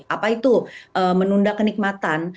apa itu menunda kenikmatan